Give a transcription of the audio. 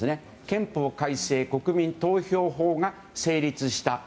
憲法改正国民投票法が成立した。